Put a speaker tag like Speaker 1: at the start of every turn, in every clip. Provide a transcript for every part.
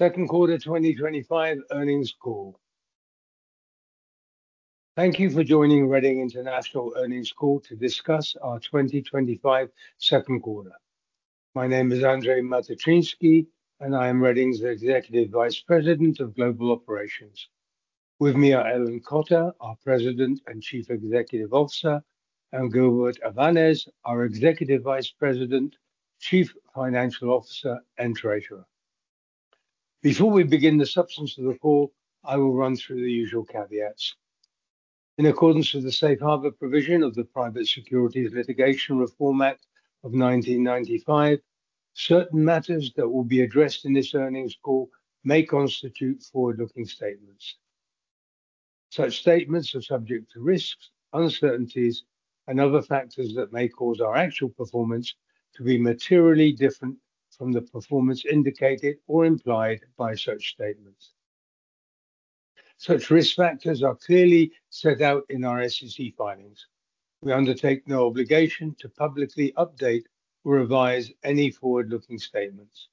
Speaker 1: Second Quarter 2025 Earnings Call. Thank you for joining Reading International Earnings Call to discuss our 2025 second quarter. My name is Andrzej Matyczynski, and I am Reading's Executive Vice President of Global Operations. With me are Ellen Cotter, our President and Chief Executive Officer, and Gilbert Avanes, our Executive Vice President, Chief Financial Officer and Treasurer. Before we begin the substance of the call, I will run through the usual caveats. In accordance with the safe harbor provision of the Private Securities Litigation Reform Act of 1995, certain matters that will be addressed in this earnings call may constitute forward-looking statements. Such statements are subject to risks, uncertainties, and other factors that may cause our actual performance to be materially different from the performance indicated or implied by such statements. Such risk factors are clearly set out in our SEC filings. We undertake no obligation to publicly update or revise any forward-looking statements.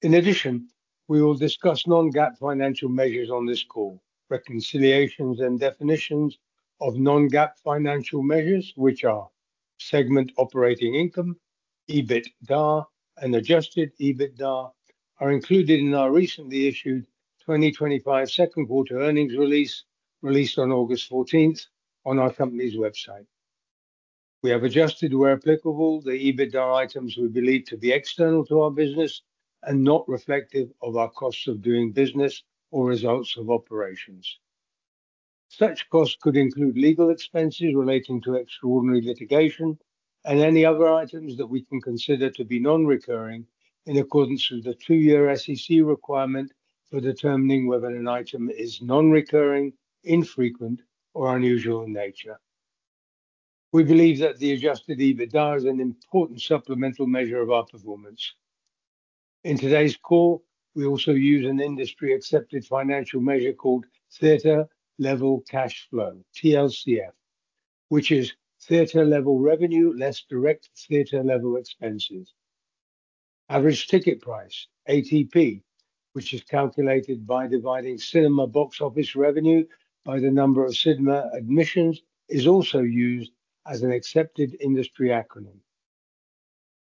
Speaker 1: In addition, we will discuss non-GAAP financial measures on this call. Reconciliations and definitions of non-GAAP financial measures, which are segment operating income, EBITDA, and adjusted EBITDA, are included in our recently issued 2025 second quarter earnings release, released on August 14th on our company's website. We have adjusted, where applicable, the EBITDA items we believe to be external to our business and not reflective of our costs of doing business or results of operations. Such costs could include legal expenses relating to extraordinary litigation and any other items that we consider to be non-recurring in accordance with the two-year SEC requirement for determining whether an item is non-recurring, infrequent, or unusual in nature. We believe that the adjusted EBITDA is an important supplemental measure of our performance. In today's call, we also use an industry-accepted financial measure called Theatre Level Cash Flow, TLCF, which is theatre level revenue less direct theatre level expenses. Average ticket price, ATP, which is calculated by dividing cinema box office revenue by the number of cinema admissions, is also used as an accepted industry acronym.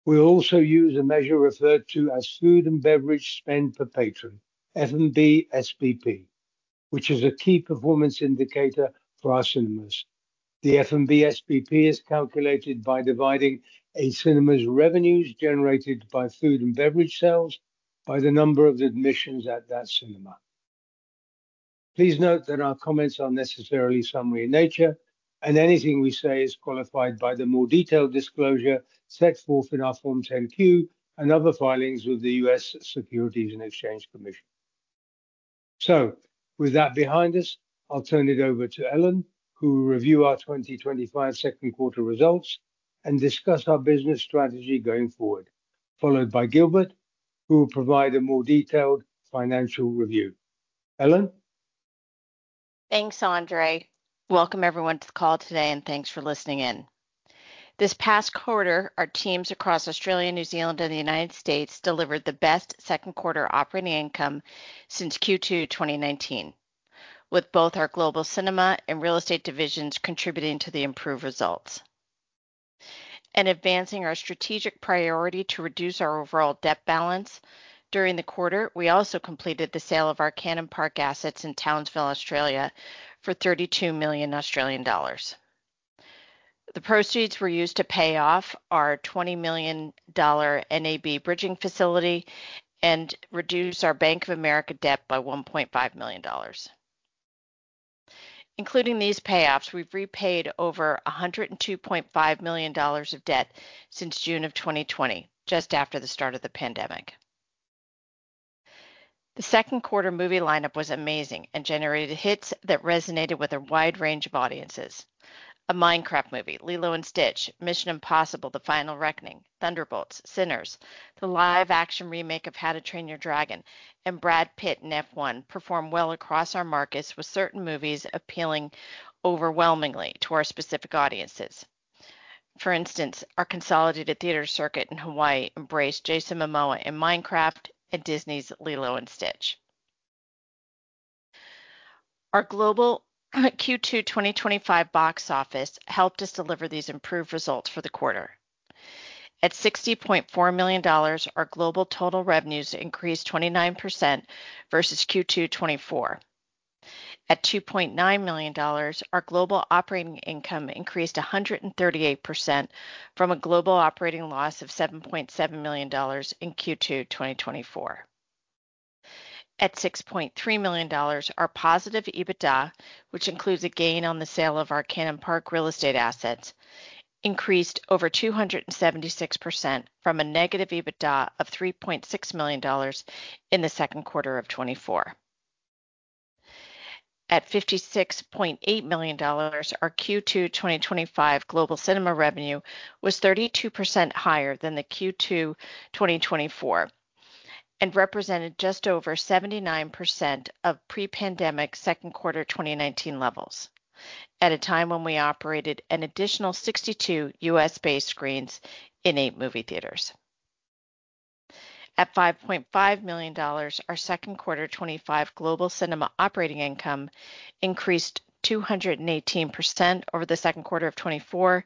Speaker 1: We will also use a measure referred to as Food and Beverage Spend Per Patron, F&B SPP, which is a key performance indicator for our cinemas. The F&B SPP is calculated by dividing a cinema's revenues generated by food and beverage sales by the number of admissions at that cinema. Please note that our comments are necessarily summary in nature, and anything we say is qualified by the more detailed disclosure set forth in our Form 10-Q and other filings with the U.S. Securities and Exchange Commission. With that behind us, I'll turn it over to Ellen, who will review our 2025 second quarter results and discuss our business strategy going forward, followed by Gilbert, who will provide a more detailed financial review. Ellen?
Speaker 2: Thanks, Andrzej. Welcome everyone to the call today, and thanks for listening in. This past quarter, our teams across Australia, New Zealand, and the United States delivered the best second quarter operating income since Q2 2019, with both our global cinema and real estate divisions contributing to the improved results. In advancing our strategic priority to reduce our overall debt balance during the quarter, we also completed the sale of our Cannon Park asset in Townsville, Australia, for 32 million Australian dollars. The proceeds were used to pay off our AUD 20 million NAB bridging facility and reduce our Bank of America debt by 1.5 million dollars. Including these payoffs, we've repaid over $102.5 million of debt since June of 2020, just after the start of the pandemic. The second quarter movie lineup was amazing and generated hits that resonated with a wide range of audiences. A Minecraft Movie, Lilo & Stitch, Mission: Impossible – The Final Reckoning, Thunderbolts, Sinners, the live-action remake of How to Train Your Dragon, and Brad Pitt in F1 performed well across our markets, with certain movies appealing overwhelmingly to our specific audiences. For instance, our consolidated theater circuit in Hawaii embraced Jason Momoa in Minecraft and Disney's Lilo & Stitch. Our global Q2 2025 box office helped us deliver these improved results for the quarter. At $60.4 million, our global total revenues increased 29% versus Q2 2024. At $2.9 million, our global operating income increased 138% from a global operating loss of $7.7 million in Q2 2024. At $6.3 million, our positive EBITDA, which includes a gain on the sale of our Cannon Park real estate asset, increased over 276% from a negative EBITDA of $3.6 million in the second quarter of 2024. At $56.8 million, our Q2 2025 global cinema revenue was 32% higher than Q2 2024 and represented just over 79% of pre-pandemic second quarter 2019 levels, at a time when we operated an additional 62 U.S.-based screens in eight movie theaters. At $5.5 million, our second quarter 2025 global cinema operating income increased 218% over the second quarter of 2024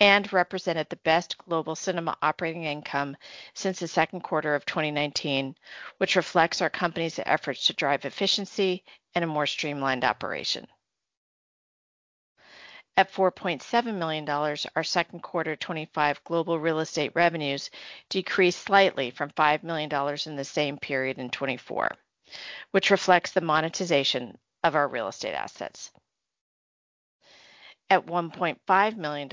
Speaker 2: and represented the best global cinema operating income since the second quarter of 2019, which reflects our company's efforts to drive efficiency and a more streamlined operation. At $4.7 million, our second quarter 2025 global real estate revenues decreased slightly from $5 million in the same period in 2024, which reflects the monetization of our real estate assets. At $1.5 million,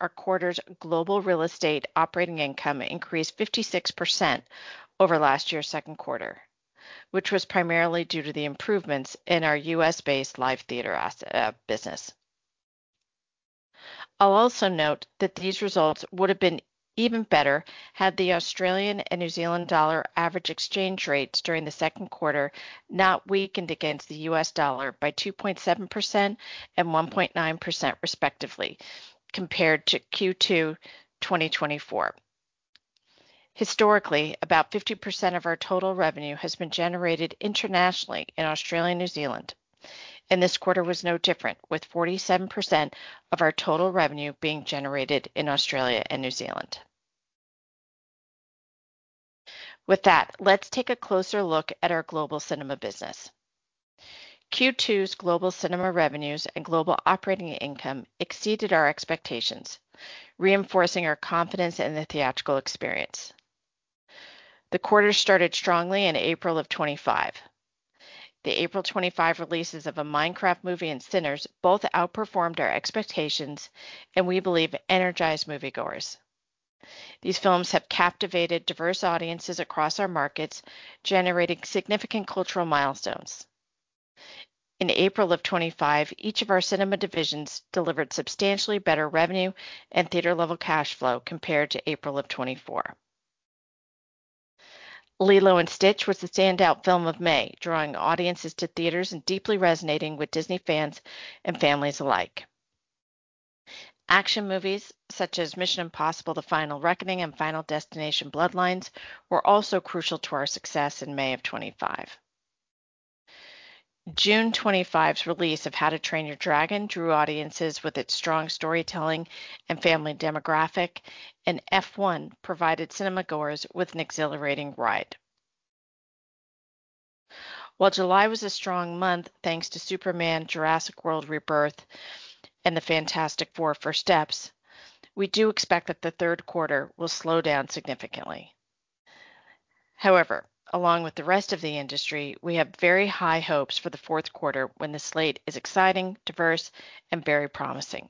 Speaker 2: our quarter's global real estate operating income increased 56% over last year's second quarter, which was primarily due to the improvements in our U.S.-based live theater business. I'll also note that these results would have been even better had the Australian and New Zealand dollar average exchange rates during the second quarter not weakened against the U.S. dollar by 2.7% and 1.9% respectively compared to Q2 2024. Historically, about 50% of our total revenue has been generated internationally in Australia and New Zealand, and this quarter was no different, with 47% of our total revenue being generated in Australia and New Zealand. With that, let's take a closer look at our global cinema business. Q2's global cinema revenues and global operating income exceeded our expectations, reinforcing our confidence in the theatrical experience. The quarter started strongly in April of 2025. The April 2025 releases of A Minecraft Movie and Sinners both outperformed our expectations, and we believe energized moviegoers. These films have captivated diverse audiences across our markets, generating significant cultural milestones. In April of 2025, each of our cinema divisions delivered substantially better revenue and theater-level cash flow compared to April of 2024. Lilo & Stitch was the standout film of May, drawing audiences to theaters and deeply resonating with Disney fans and families alike. Action movies such as Mission: Impossible – The Final Reckoning and Final Destination: Bloodlines were also crucial to our success in May of 2025. June 2025's release of How to Train Your Dragon drew audiences with its strong storytelling and family demographic, and F1 provided cinema goers with an exhilarating ride. While July was a strong month thanks to Superman: Jurassic World Rebirth and The Fantastic Four: First Steps, we do expect that the third quarter will slow down significantly. However, along with the rest of the industry, we have very high hopes for the fourth quarter when the slate is exciting, diverse, and very promising.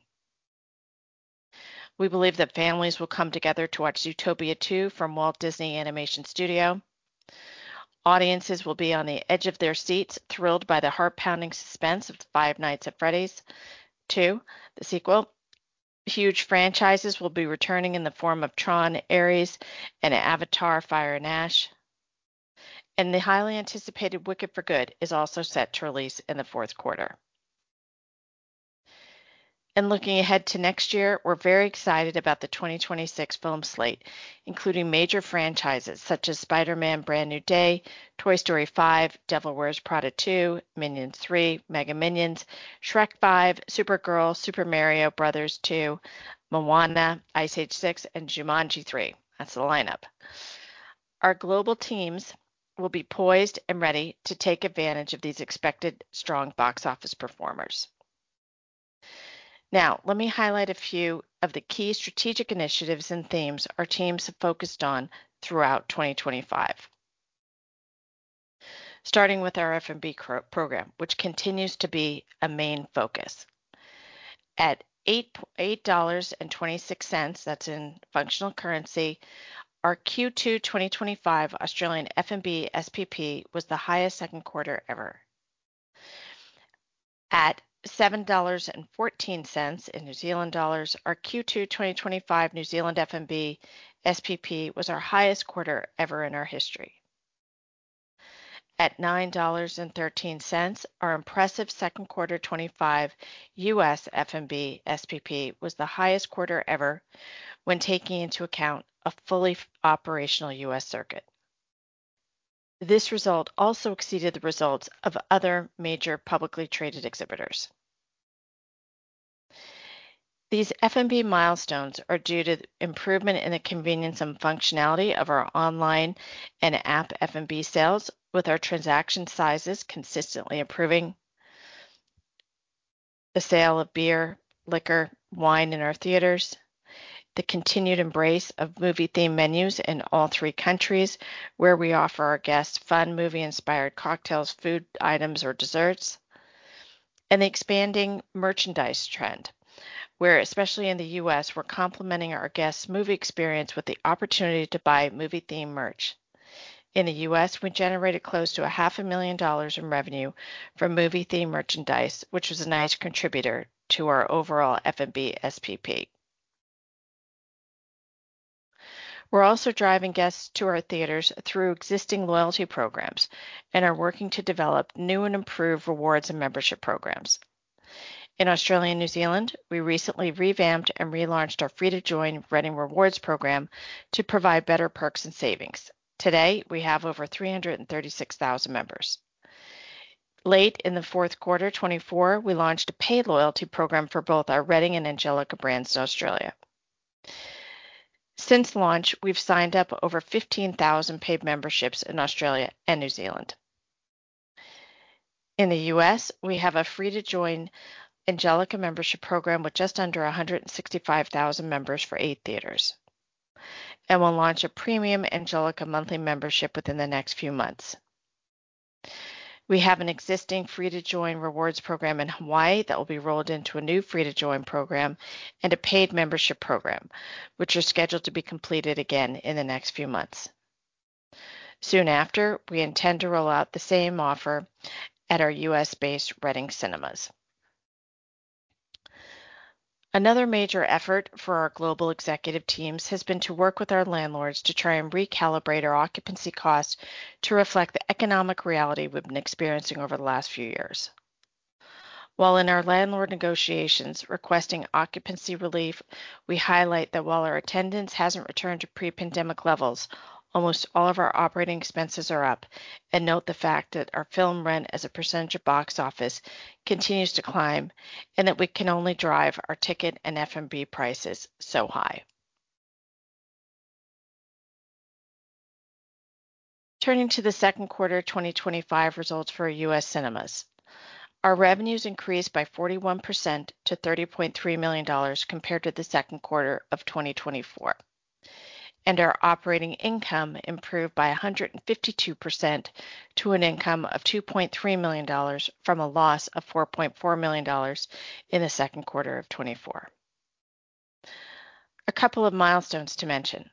Speaker 2: We believe that families will come together to watch Zootopia 2 from Walt Disney Animation Studio. Audiences will be on the edge of their seats, thrilled by the heart-pounding suspense of Five Nights at Freddy's 2, the sequel. Huge franchises will be returning in the form of Tron: Ares and Avatar: Fire and Ash, and the highly anticipated Wicked: for Good is also set to release in the fourth quarter. Looking ahead to next year, we're very excited about the 2026 film slate, including major franchises such as Spider-Man: Brand New Day, Toy Story 5, Devil Wears Prada 2, Minions 3, Mega Minions, Shrek 5, Supergirl, Super Mario Bros. 2, Moana, Ice Age 6, and Jumanji 3. That's the lineup. Our global teams will be poised and ready to take advantage of these expected strong box office performers. Now, let me highlight a few of the key strategic initiatives and themes our teams have focused on throughout 2025. Starting with our F&B program, which continues to be a main focus. At $8.26, that's in functional currency, our Q2 2025 Australian F&B SPP was the highest second quarter ever. At 7.14 dollars, our Q2 2025 New Zealand F&B SPP was our highest quarter ever in our history. At $9.13, our impressive second quarter 2025 U.S. F&B SPP was the highest quarter ever when taking into account a fully operational U.S. circuit. This result also exceeded the results of other major publicly traded exhibitors. These F&B milestones are due to improvement in the convenience and functionality of our online and app F&B sales, with our transaction sizes consistently improving. The sale of beer, liquor, wine in our theaters, the continued embrace of movie-themed menus in all three countries where we offer our guests fun movie-inspired cocktails, food items, or desserts, and the expanding merchandise trend, where especially in the U.S., we're complementing our guests' movie experience with the opportunity to buy movie-themed merch. In the U.S., we generated close to $0.5 million in revenue from movie-themed merchandise, which was a nice contributor to our overall F&B SPP. We're also driving guests to our theaters through existing loyalty programs and are working to develop new and improved rewards and membership programs. In Australia and New Zealand, we recently revamped and relaunched our free-to-join Reading Rewards program to provide better perks and savings. Today, we have over 336,000 members. Late in the fourth quarter 2024, we launched a paid loyalty program for both our Reading and Angelika brands in Australia. Since launch, we've signed up over 15,000 paid memberships in Australia and New Zealand. In the U.S., we have a free-to-join Angelika membership program with just under 165,000 members for eight theaters, and we'll launch a premium Angelika monthly membership within the next few months. We have an existing free-to-join rewards program in Hawaii that will be rolled into a new free-to-join program and a paid membership program, which are scheduled to be completed again in the next few months. Soon after, we intend to roll out the same offer at our U.S.-based Reading cinemas. Another major effort for our global executive teams has been to work with our landlords to try and recalibrate our occupancy costs to reflect the economic reality we've been experiencing over the last few years. While in our landlord negotiations requesting occupancy relief, we highlight that while our attendance hasn't returned to pre-pandemic levels, almost all of our operating expenses are up and note the fact that our film rent as a percentage of box office continues to climb and that we can only drive our ticket and F&B prices so high. Turning to the second quarter 2025 results for U.S. cinemas, our revenues increased by 41% to $30.3 million compared to the second quarter of 2024, and our operating income improved by 152% to an income of $2.3 million from a loss of $4.4 million in the second quarter of 2024. A couple of milestones to mention.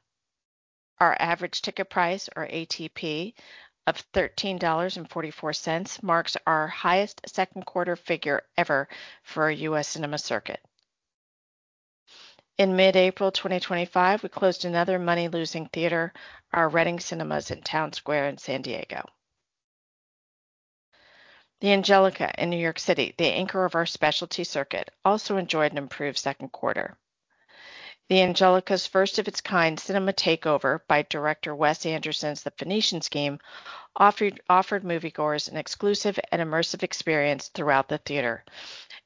Speaker 2: Our average ticket price, or ATP, of $13.44 marks our highest second quarter figure ever for a U.S. cinema circuit. In mid-April 2025, we closed another money-losing theater, our Reading cinemas in Town Square in San Diego. The Angelika in New York City, the anchor of our specialty circuit, also enjoyed an improved second quarter. The Angelika's first-of-its-kind cinema takeover by Director Wes Anderson's The Phoenicians Scheme offered moviegoers an exclusive and immersive experience throughout the theater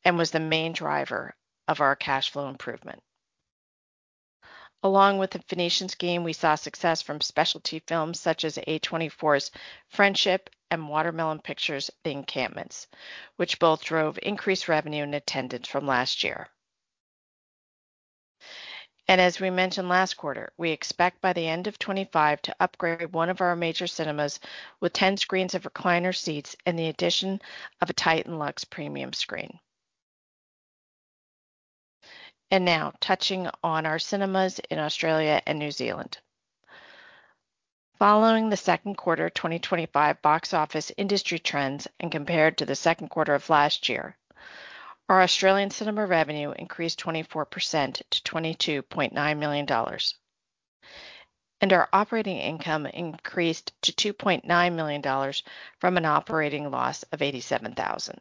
Speaker 2: and was the main driver of our cash flow improvement. Along with The Phoenicians Scheme, we saw success from specialty films such as A24's Friendship and Watermelon Pictures' The Encampments, which both drove increased revenue and attendance from last year. As we mentioned last quarter, we expect by the end of 2025 to upgrade one of our major cinemas with 10 screens of recliner seats and the addition of a TITAN LUXE Premium screen. Now touching on our cinemas in Australia and New Zealand. Following the second quarter 2025 box office industry trends and compared to the second quarter of last year, our Australian cinema revenue increased 24% to $22.9 million, and our operating income increased to $2.9 million from an operating loss of $87,000.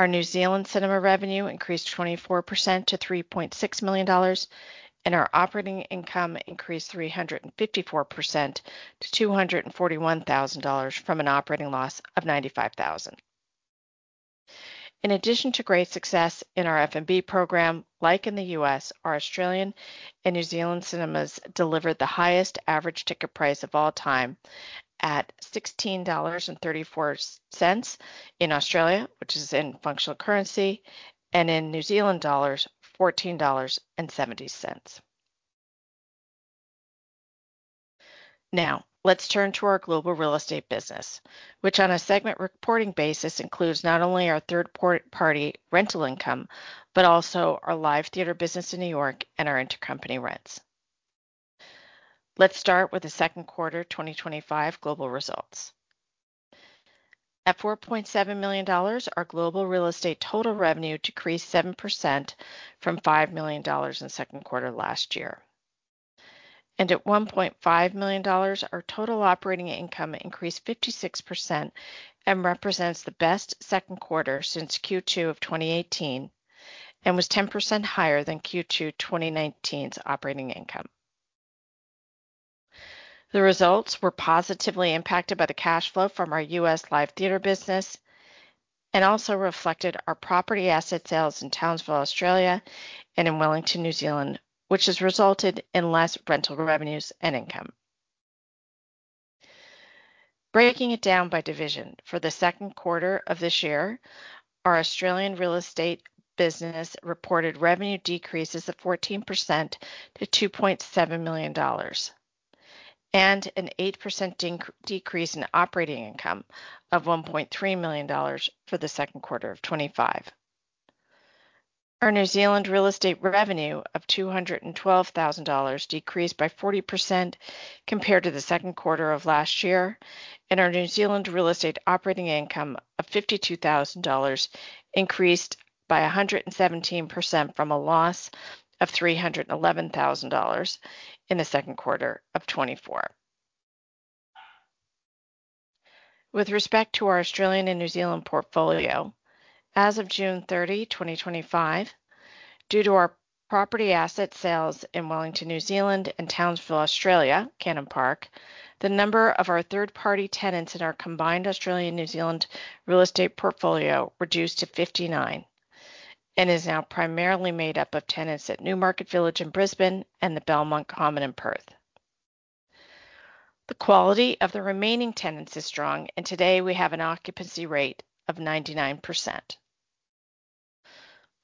Speaker 2: Our New Zealand cinema revenue increased 24% to $3.6 million, and our operating income increased 354% to $241,000 from an operating loss of $95,000. In addition to great success in our F&B program, like in the U.S., our Australian and New Zealand cinemas delivered the highest average ticket price of all time at $16.34 in Australia, which is in functional currency, and in New Zealand dollars 14.70. Now, let's turn to our global real estate business, which on a segment reporting basis includes not only our third-party rental income, but also our live theater business in New York and our intercompany rents. Let's start with the second quarter 2025 global results. At $4.7 million, our global real estate total revenue decreased 7% from $5 million in the second quarter last year. At $1.5 million, our total operating income increased 56% and represents the best second quarter since Q2 of 2018 and was 10% higher than Q2 2019's operating income. The results were positively impacted by the cash flow from our U.S. live theater business and also reflected our property asset sales in Townsville, Australia, and in Wellington, New Zealand, which has resulted in less rental revenues and income. Breaking it down by division, for the second quarter of this year, our Australian real estate business reported revenue decreases of 14% to $2.7 million and an 8% decrease in operating income of $1.3 million for the second quarter of 2025. Our New Zealand real estate revenue of $212,000 decreased by 40% compared to the second quarter of last year, and our New Zealand real estate operating income of $52,000 increased by 117% from a loss of $311,000 in the second quarter of 2024. With respect to our Australian and New Zealand portfolio, as of June 30, 2025, due to our property asset sales in Wellington, New Zealand, and Townsville, Australia, Cannon Park, the number of our third-party tenants in our combined Australian and New Zealand real estate portfolio reduced to 59 and is now primarily made up of tenants at Newmarket Village in Brisbane and the Belmont Common in Perth. The quality of the remaining tenants is strong, and today we have an occupancy rate of 99%.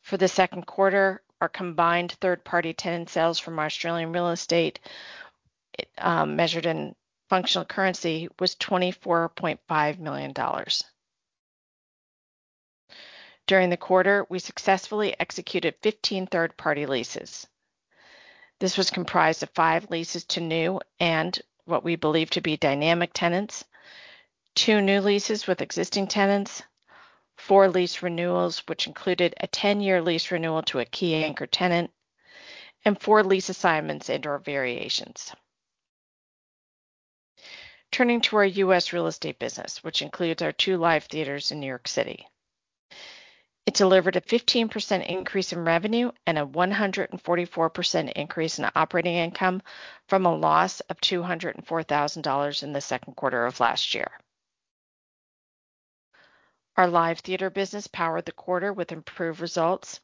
Speaker 2: For the second quarter, our combined third-party tenant sales from our Australian real estate measured in functional currency was $24.5 million. During the quarter, we successfully executed 15 third-party leases. This was comprised of five leases to new and what we believe to be dynamic tenants, two new leases with existing tenants, four lease renewals, which included a 10-year lease renewal to a key anchor tenant, and four lease assignments and/or variations. Turning to our U.S. real estate business, which includes our two live theaters in New York City, it delivered a 15% increase in revenue and a 144% increase in operating income from a loss of $204,000 in the second quarter of last year. Our live theater business powered the quarter with improved results.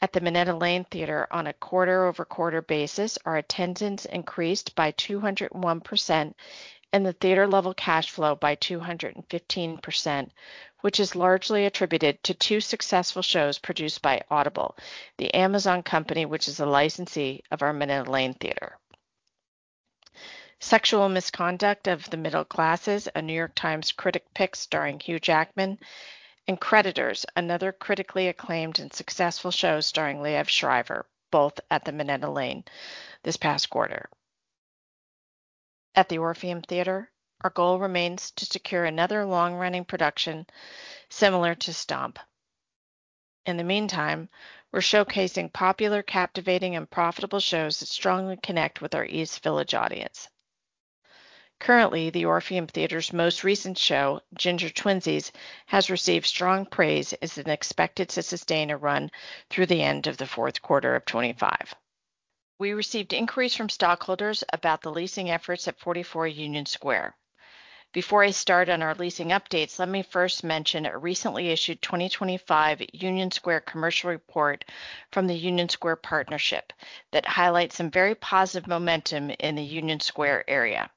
Speaker 2: At the Minetta Lane Theatre, on a quarter-over-quarter basis, our attendance increased by 201% and the theater-level cash flow by 215%, which is largely attributed to two successful shows produced by Audible, the Amazon company, which is a licensee of our Minetta Lane Theatre. Sexual Misconduct of the Middle Classes, a New York Times critic-picked starring Hugh Jackman, and Creditors, another critically acclaimed and successful show starring Liev Schreiber, both at the Minetta Lane this past quarter. At the Orpheum Theatre, our goal remains to secure another long-running production similar to Stomp. In the meantime, we're showcasing popular, captivating, and profitable shows that strongly connect with our East Village audience. Currently, the Orpheum Theatre's most recent show, Ginger Twinsies, has received strong praise and is expected to sustain a run through the end of the fourth quarter of 2025. We received inquiries from stockholders about the leasing efforts at 44 Union Square. Before I start on our leasing updates, let me first mention a recently issued 2025 Union Square commercial report from the Union Square Partnership that highlights some very positive momentum in the Union Square area.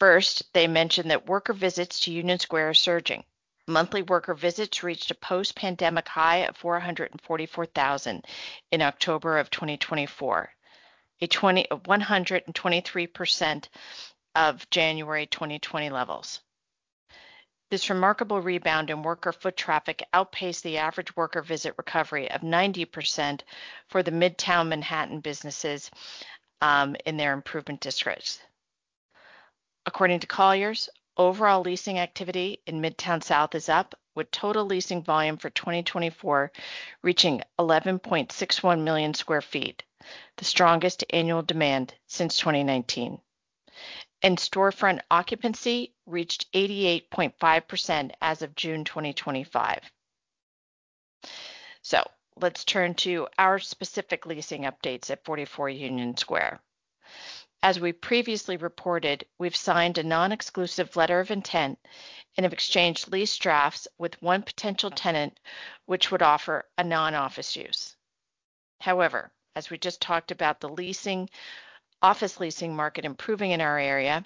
Speaker 2: First, they mentioned that worker visits to Union Square are surging. Monthly worker visits reached a post-pandemic high of 444,000 in October of 2024, a 123% of January 2020 levels. This remarkable rebound in worker foot traffic outpaced the average worker visit recovery of 90% for the Midtown Manhattan businesses in their improvement districts. According to Colliers, overall leasing activity in Midtown South is up, with total leasing volume for 2024 reaching 11.61 million square feet, the strongest annual demand since 2019. Storefront occupancy reached 88.5% as of June 2025. Let's turn to our specific leasing updates at 44 Union Square. As we previously reported, we've signed a non-exclusive letter of intent and have exchanged lease drafts with one potential tenant which would offer a non-office use. However, as we just talked about the office leasing market improving in our area,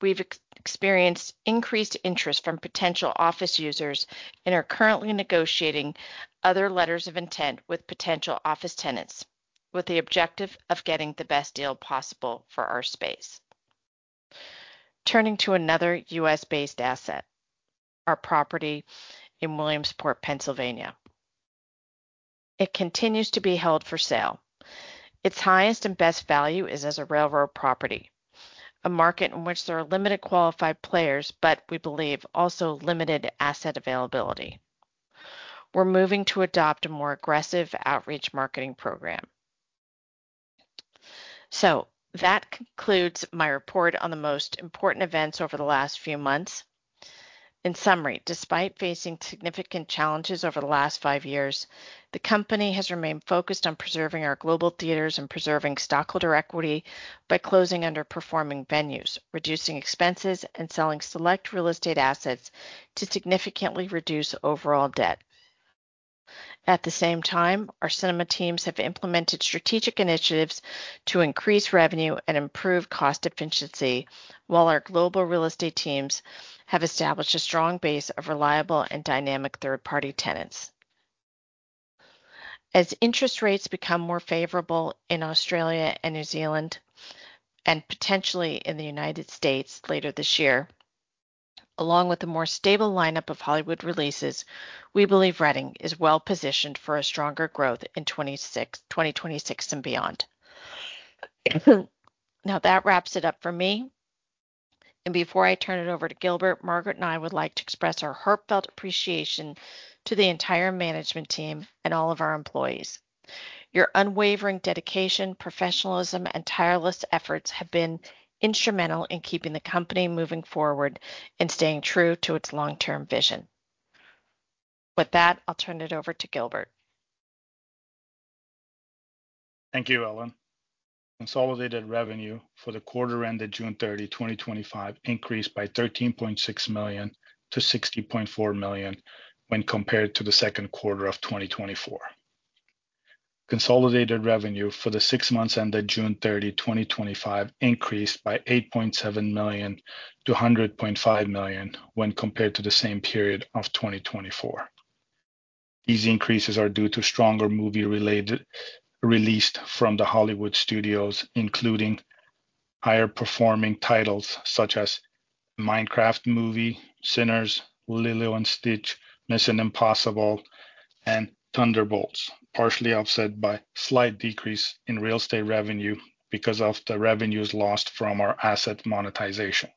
Speaker 2: we've experienced increased interest from potential office users and are currently negotiating other letters of intent with potential office tenants with the objective of getting the best deal possible for our space. Turning to another U.S.-based asset, our property in Williamsport, Pennsylvania, it continues to be held for sale. Its highest and best value is as a railroad property, a market in which there are limited qualified players, but we believe also limited asset availability. We're moving to adopt a more aggressive outreach marketing program. That concludes my report on the most important events over the last few months. In summary, despite facing significant challenges over the last five years, the company has remained focused on preserving our global theaters and preserving stockholder equity by closing underperforming venues, reducing expenses, and selling select real estate assets to significantly reduce overall debt. At the same time, our cinema teams have implemented strategic initiatives to increase revenue and improve cost efficiency, while our global real estate teams have established a strong base of reliable and dynamic third-party tenants. As interest rates become more favorable in Australia and New Zealand and potentially in the United States later this year, along with a more stable lineup of Hollywood releases, we believe Reading is well positioned for stronger growth in 2026 and beyond. That wraps it up for me. Before I turn it over to Gilbert, Margaret and I would like to express our heartfelt appreciation to the entire management team and all of our employees. Your unwavering dedication, professionalism, and tireless efforts have been instrumental in keeping the company moving forward and staying true to its long-term vision. With that, I'll turn it over to Gilbert.
Speaker 3: Thank you, Ellen. Consolidated revenue for the quarter ended June 30, 2025, increased by $13.6 million to $60.4 million when compared to the second quarter of 2024. Consolidated revenue for the six months ended June 30, 2025, increased by $8.7 million to $100.5 million when compared to the same period of 2024. These increases are due to stronger movie releases from the Hollywood studios, including higher performing titles such as Minecraft Movie, Sinners, Lilo & Stitch, Mission: Impossible, and Thunderbolts, partially offset by a slight decrease in real estate revenue because of the revenues lost from our asset monetization.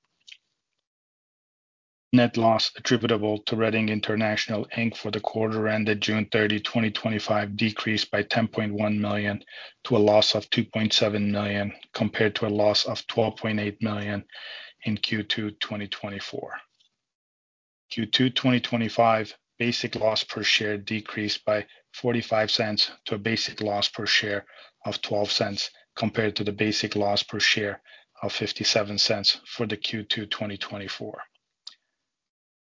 Speaker 3: Net loss attributable to Reading International Inc. for the quarter ended June 30, 2025, decreased by $10.1 million to a loss of $2.7 million compared to a loss of $12.8 million in Q2 2024. In Q2 2025, basic loss per share decreased by $0.45 to a basic loss per share of $0.12 compared to the basic loss per share of $0.57 for Q2 2024.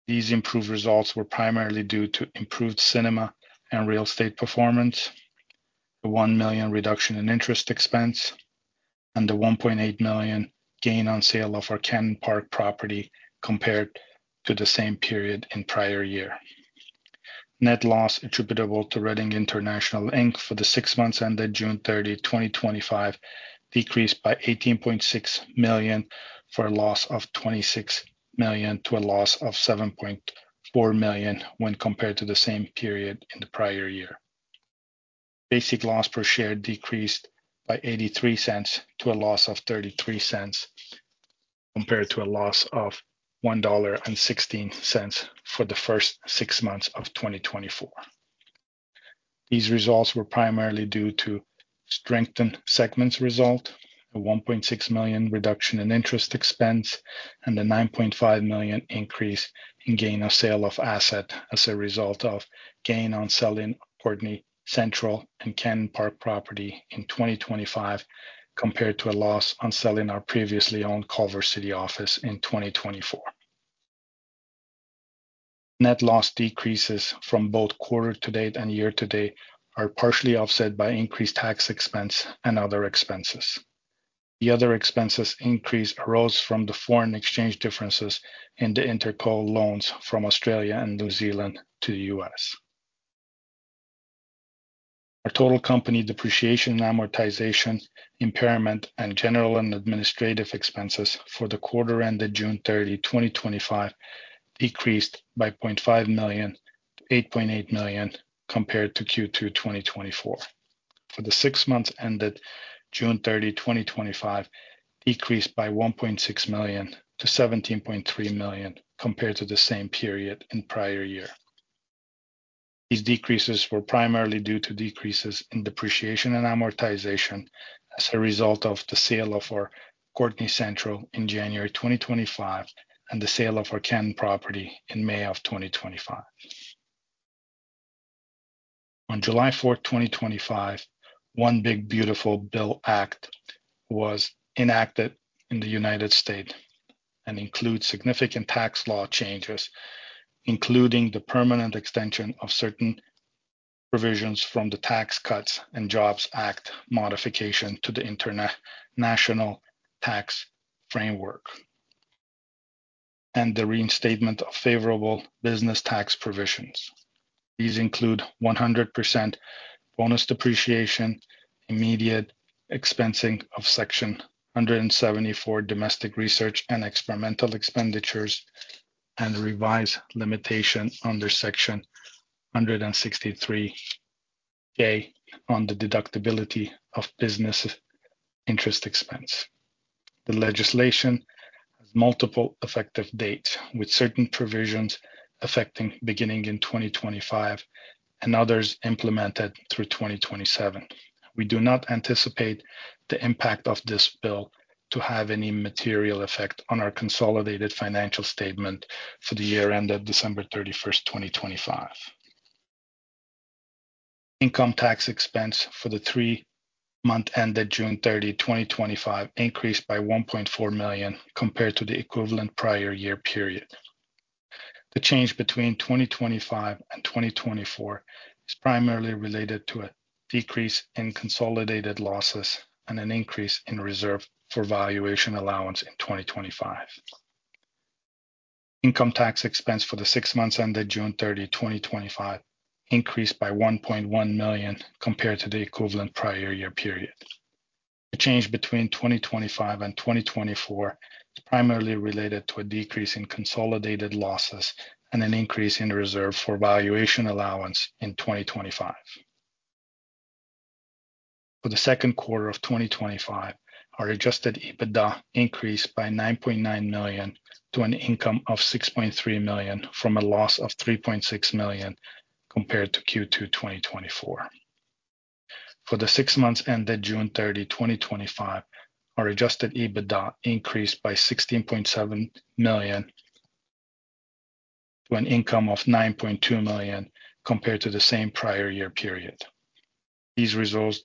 Speaker 3: These improved results were primarily due to improved cinema and real estate performance, the $1 million reduction in interest expense, and the $1.8 million gain on sale of our Cannon Park property compared to the same period in prior year. Net loss attributable to Reading International Inc. for the six months ended June 30, 2025, decreased by $18.6 million from a loss of $26 million to a loss of $7.4 million when compared to the same period in the prior year. Basic loss per share decreased by $0.83 to a loss of $0.33 compared to a loss of $1.16 for the first six months of 2024. These results were primarily due to strengthened segment results, a $1.6 million reduction in interest expense, and the $9.5 million increase in gain on sale of asset as a result of gain on selling Courtenay Central and Cannon Park property in 2025 compared to a loss on selling our previously owned Culver City office in 2024. Net loss decreases from both quarter to date and year to date are partially offset by increased tax expense and other expenses. The other expenses increase arose from the foreign exchange differences in the inter-co loans from Australia and New Zealand to the United States. Our total company depreciation and amortization, impairment, and general and administrative expenses for the quarter ended June 30, 2025, decreased by $0.5 million to $8.8 million compared to Q2 2024. For the six months ended June 30, 2025, decreased by $1.6 million to $17.3 million compared to the same period in prior year. These decreases were primarily due to decreases in depreciation and amortization as a result of the sale of our Courtenay Central in January 2025 and the sale of our Cannon Park property in May 2025. On July 4, 2025, One Big Beautiful Bill Act was enacted in the United States and includes significant tax law changes, including the permanent extension of certain provisions from the Tax Cuts and Jobs Act modification to the international tax framework, and the reinstatement of favorable business tax provisions. These include 100% bonus depreciation, immediate expensing of Section 174 domestic research and experimental expenditures, and revised limitation under Section 163(j) on the deductibility of business interest expense. The legislation has multiple effective dates, with certain provisions effective beginning in 2025 and others implemented through 2027. We do not anticipate the impact of this bill to have any material effect on our consolidated financial statements for the year ended December 31, 2025. Income tax expense for the three months ended June 30, 2025, increased by $1.4 million compared to the equivalent prior year period. The change between 2025 and 2024 is primarily related to a decrease in consolidated losses and an increase in reserves for valuation allowance in 2025. Income tax expense for the six months ended June 30, 2025, increased by $1.1 million compared to the equivalent prior year period. The change between 2025 and 2024 is primarily related to a decrease in consolidated losses and an increase in reserves for valuation allowance in 2025. For the second quarter of 2025, our adjusted EBITDA increased by $9.9 million to an income of $6.3 million from a loss of $3.6 million compared to Q2 2024. For the six months ended June 30, 2025, our adjusted EBITDA increased by $16.7 million to an income of $9.2 million compared to the same prior year period. These results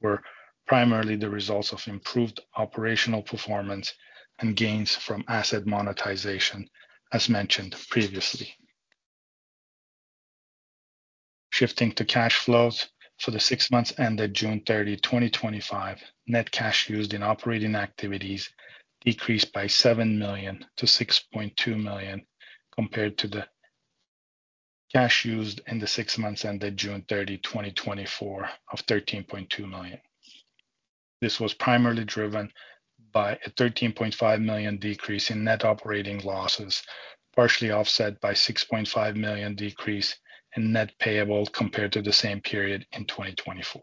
Speaker 3: were primarily the result of improved operational performance and gains from asset monetization, as mentioned previously. Shifting to cash flows, for the six months ended June 30, 2025, net cash used in operating activities decreased by $7 million to $6.2 million compared to the cash used in the six months ended June 30, 2024, of $13.2 million. This was primarily driven by a $13.5 million decrease in net operating losses, partially offset by a $6.5 million decrease in net payables compared to the same period in 2024.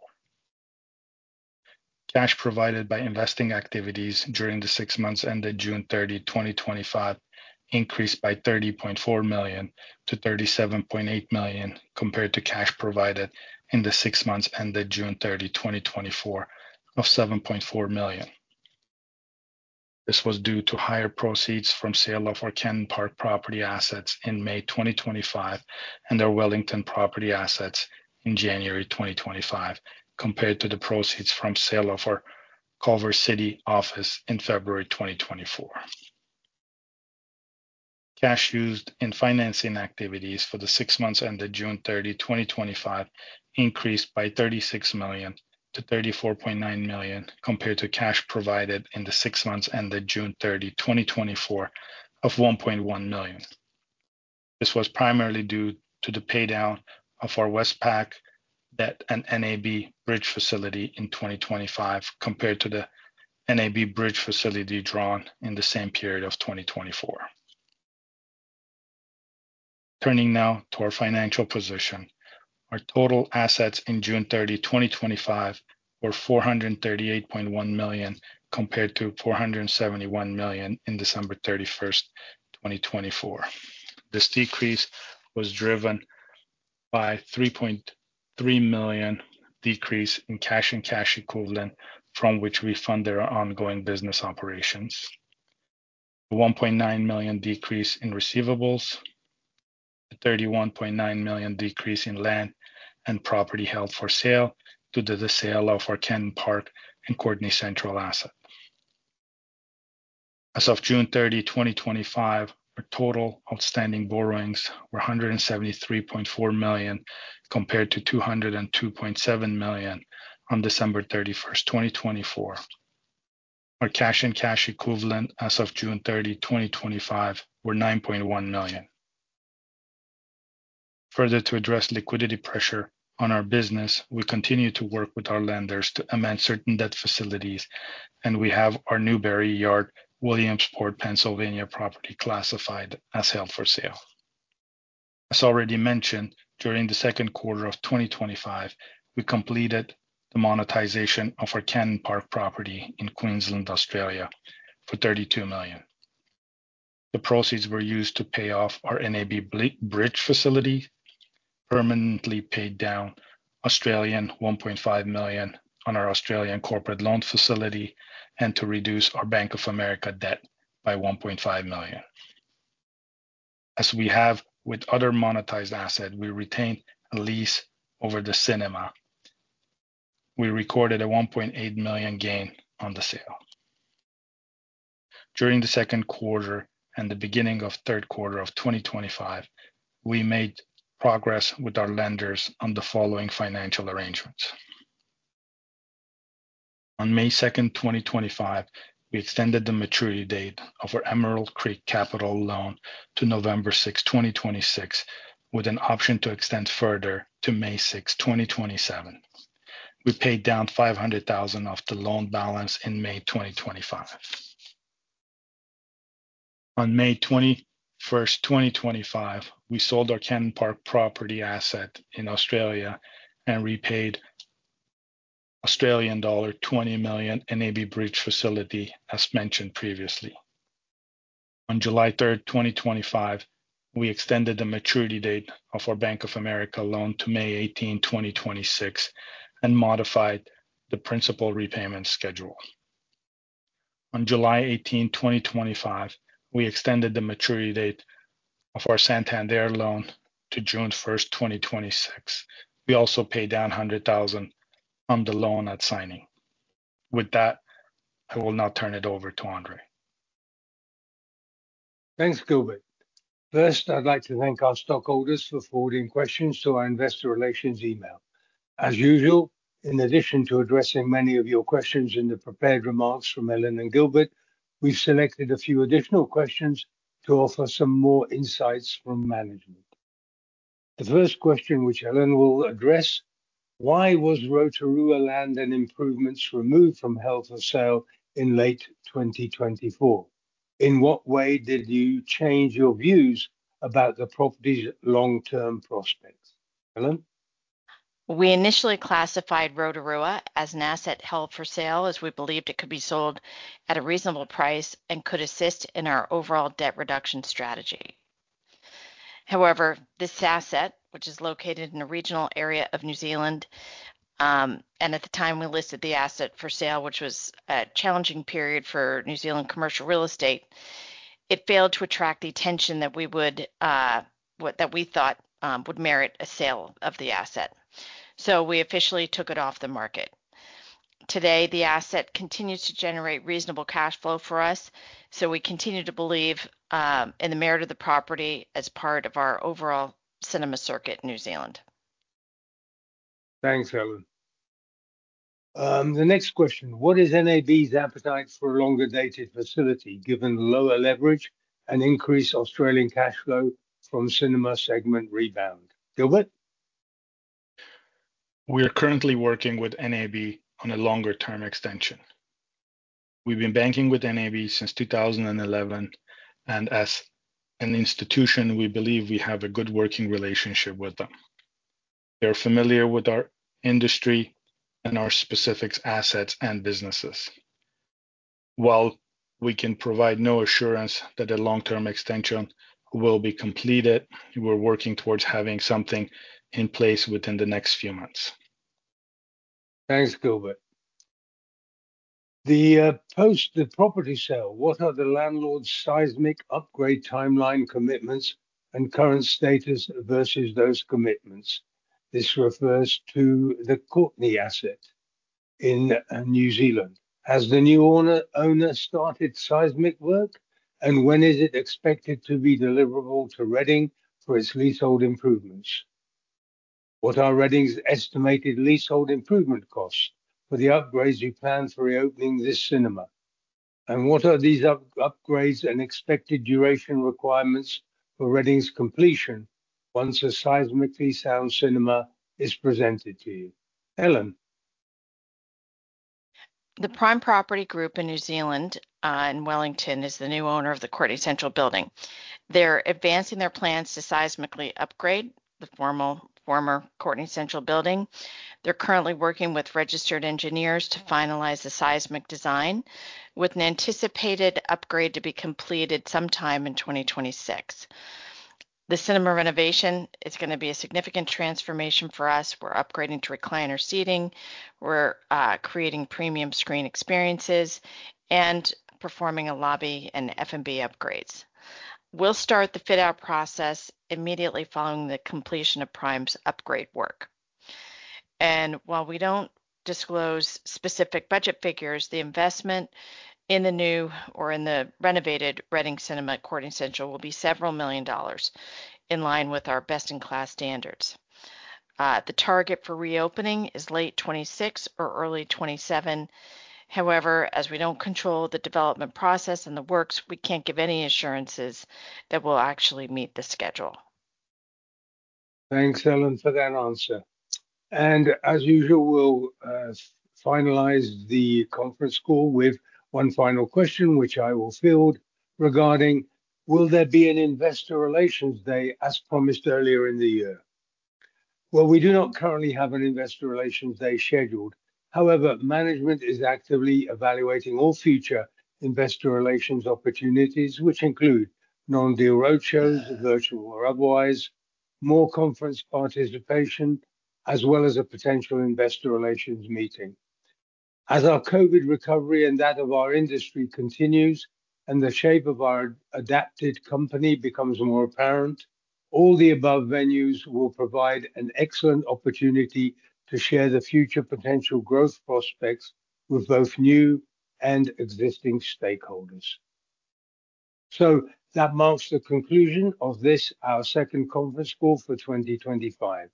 Speaker 3: Cash provided by investing activities during the six months ended June 30, 2025, increased by $30.4 million to $37.8 million compared to cash provided in the six months ended June 30, 2024, of $7.4 million. This was due to higher proceeds from sale of our Cannon Park property assets in May 2025 and our Wellington property assets in January 2025, compared to the proceeds from sale of our Culver City office in February 2024. Cash used in financing activities for the six months ended June 30, 2025, increased by $36 million to $34.9 million compared to cash provided in the six months ended June 30, 2024, of $1.1 million. This was primarily due to the paydown of our Westpac debt and NAB bridge facility in 2025 compared to the NAB bridge facility drawn in the same period of 2024. Turning now to our financial position, our total assets on June 30, 2025, were $438.1 million compared to $471 million on December 31, 2024. This decrease was driven by a $3.3 million decrease in cash and cash equivalents from which we funded our ongoing business operations, a $1.9 million decrease in receivables, a $31.9 million decrease in land and property held for sale due to the sale of our Cannon Park and Courtenay Central assets. As of June 30, 2025, our total outstanding borrowings were $173.4 million compared to $202.7 million on December 31, 2024. Our cash and cash equivalents as of June 30, 2025, were $9.1 million. Further, to address liquidity pressure on our business, we continue to work with our lenders to amend certain debt facilities, and we have our Newbury Yard, Williamsport, Pennsylvania property classified as held for sale. As already mentioned, during the second quarter of 2025, we completed the monetization of our Cannon Park property in Queensland, Australia for $32 million. The proceeds were used to pay off our NAB bridge facility, permanently paid down 1.5 million on our Australian corporate loan facility, and to reduce our Bank of America debt by $1.5 million. As we have with other monetized assets, we retained a lease over the cinema. We recorded a $1.8 million gain on the sale. During the second quarter and the beginning of the third quarter of 2025, we made progress with our lenders on the following financial arrangements. On May 2, 2025, we extended the maturity date of our Emerald Creek Capital Loan to November 6, 2026, with an option to extend further to May 6, 2027. We paid down $500,000 off the loan balance in May 2025. On May 21, 2025, we sold our Cannon Park property asset in Australia and repaid Australian dollar 20 million NAB bridge facility, as mentioned previously. On July 3, 2025, we extended the maturity date of our Bank of America loan to May 18, 2026, and modified the principal repayment schedule. On July 18, 2025, we extended the maturity date of our Santander loan to June 1, 2026. We also paid down $100,000 on the loan at signing. With that, I will now turn it over to Andrzej.
Speaker 1: Thanks, Gilbert. First, I'd like to thank our stockholders for forwarding questions to our Investor Relations email. As usual, in addition to addressing many of your questions in the prepared remarks from Ellen and Gilbert, we've selected a few additional questions to offer some more insights from management. The first question, which Ellen will address: Why was Rotorua land and Improvements removed from held for sale in late 2024? In what way did you change your views about the property's long-term prospects? Ellen?
Speaker 2: We initially classified Rotorua as an asset held for sale as we believed it could be sold at a reasonable price and could assist in our overall debt reduction strategy. However, this asset, which is located in a regional area of New Zealand, and at the time we listed the asset for sale, which was a challenging period for New Zealand commercial real estate, failed to attract the attention that we thought would merit a sale of the asset. We officially took it off the market. Today, the asset continues to generate reasonable cash flow for us, and we continue to believe in the merit of the property as part of our overall cinema circuit in New Zealand.
Speaker 1: Thanks, Ellen. The next question: What is NAB's appetite for a longer dated facility given lower leverage and increased Australian cash flow from cinema segment rebound? Gilbert?
Speaker 3: We are currently working with NAB in a longer-term extension. We've been banking with NAB since 2011, and as an institution, we believe we have a good working relationship with them. They're familiar with our industry and our specific assets and businesses. While we can provide no assurance that a long-term extension will be completed, we're working towards having something in place within the next few months.
Speaker 1: Thanks, Gilbert. Post the property sale, what are the landlord's seismic upgrade timeline commitments and current status versus those commitments? This refers to the Courtenay asset in New Zealand. Has the new owner started seismic work, and when is it expected to be deliverable to Reading for its leasehold improvements? What are Reading's estimated leasehold improvement costs for the upgrades you plan for reopening this cinema? What are these upgrades and expected duration requirements for Reading's completion once a seismically sound cinema is presented to you? Ellen.
Speaker 2: The Primeproperty Group in New Zealand and Wellington is the new owner of the Courtenay Central building. They're advancing their plans to seismically upgrade the former Courtenay Central building. They're currently working with registered engineers to finalize the seismic design, with an anticipated upgrade to be completed sometime in 2026. The cinema renovation is going to be a significant transformation for us. We're upgrading to recliner seating, creating premium screen experiences, and performing a lobby and F&B upgrades. We'll start the fit-out process immediately following the completion of Prime's upgrade work. While we don't disclose specific budget figures, the investment in the new or in the renovated Reading Cinema at Courtenay Central will be several million dollars in line with our best-in-class standards. The target for reopening is late 2026 or early 2027. However, as we don't control the development process and the works, we can't give any assurances that we'll actually meet the schedule.
Speaker 1: Thanks, Ellen, for that answer. As usual, we'll finalize the conference call with one final question, which I will field regarding: Will there be an Investor Relations Day as promised earlier in the year? We do not currently have an Investor Relations Day scheduled. However, management is actively evaluating all future Investor Relations opportunities, which include non-deal roadshows, virtual or otherwise, more conference participation, as well as a potential Investor Relations meeting. As our COVID recovery and that of our industry continues and the shape of our adapted company becomes more apparent, all the above venues will provide an excellent opportunity to share the future potential growth prospects with both new and existing stakeholders. That marks the conclusion of this, our Second Conference Call for 2025,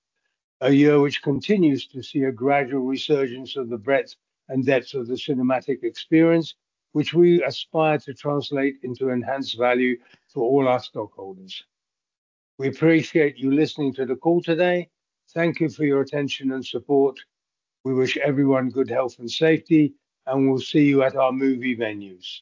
Speaker 1: a year which continues to see a gradual resurgence of the breadth and depth of the cinematic experience, which we aspire to translate into enhanced value for all our stockholders. We appreciate you listening to the call today. Thank you for your attention and support. We wish everyone good health and safety, and we'll see you at our movie venues.